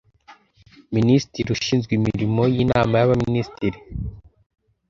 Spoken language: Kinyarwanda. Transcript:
Minisitiri ushinzwe imirimo y’inama y’abaminisitiri